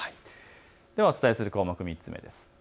ではお伝えする項目、３つ目です。